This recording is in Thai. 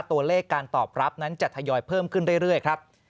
ตัวเลขการตอบรับนั้นจะทยอยเพิ่มขึ้นเรื่อยครับ